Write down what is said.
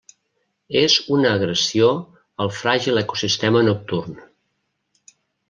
És una agressió al fràgil ecosistema nocturn.